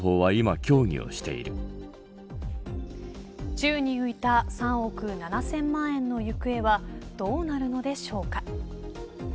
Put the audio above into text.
宙に浮いた３億７０００万円の行方はどうなるのでしょうか。